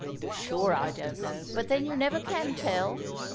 I'm sure I don't know, but then you never can tell!